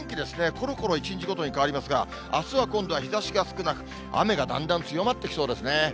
ころころ一日ごとに変わりますが、あすは今度は日ざしが少なく、雨がだんだん強まってきそうですね。